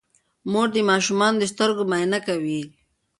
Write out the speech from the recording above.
مور د ماشومانو د سترګو معاینه کوي.